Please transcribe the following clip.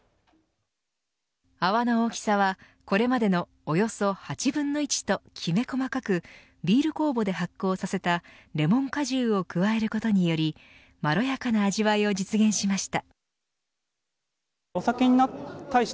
泡の大きさはこれまでのおよそ８分の１ときめ細かくビール酵母で発酵させたレモン果汁を加えることによりまろやかな味わいを実現しました。